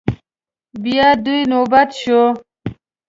بيا د دوی نوبت شو.